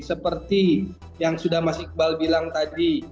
seperti yang sudah mas iqbal bilang tadi